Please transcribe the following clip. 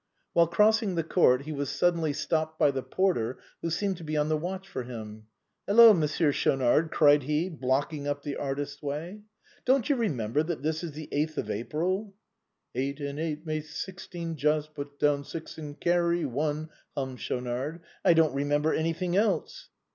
While crossing the court, he was suddenly stopped by the porter, who seemed to be on the watch for him. " Hello ! Monsieur Schaunard," cried he, blocking up the artist's way, " don't you remember that this is the eighth of April ?"" Eight and eight make sixteen just, Put down six and carry one," hummed Schaunard. " I don't remember an3i;hing else."